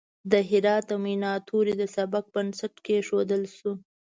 د هرات د میناتوری د سبک بنسټ کیښودل شو.